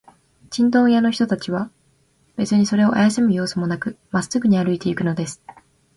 チンドン屋の人たちは、べつにそれをあやしむようすもなく、まっすぐに歩いていくのです。